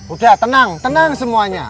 udah tenang tenang semuanya